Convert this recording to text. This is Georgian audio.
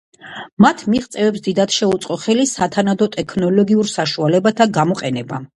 მათ მიღწევებს დიდად შეუწყო ხელი სათანადო ტექნოლოგიურ საშუალებათა გამოყენებამ.